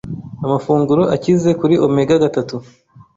Amafunguro akize kuri Omega gatatu